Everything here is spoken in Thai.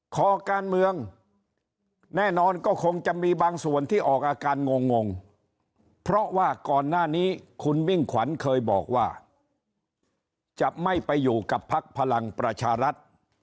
คอการเมืองแน่นอนก็คงจะมีบางส่วนที่ออกอาการงงเพราะว่าก่อนหน้านี้คุณมิ่งขวัญเคยบอกว่าจะไม่ไปอยู่กับพักพลังประชารัฐ